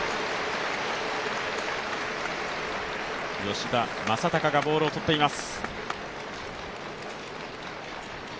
吉田正尚がボールを取っています。